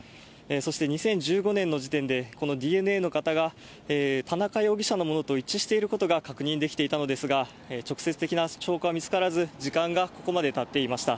そして２０１５年の時点で、このＤＮＡの型が田中容疑者のものと一致していることが確認できていたのですが、直接的な証拠は見つからず、時間がここまでたっていました。